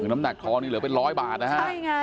น้ำหนักทองนี่เหลือเป็นร้อยบาทนะฮะใช่ไง